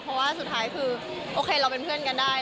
เพราะว่าสุดท้ายคือโอเคเราเป็นเพื่อนกันได้